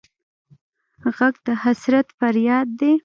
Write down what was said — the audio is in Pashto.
غږ د حسرت فریاد دی